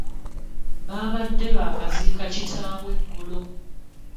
Baabadde baakaziika kitaawe eggulo.